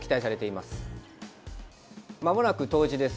まもなく冬至です。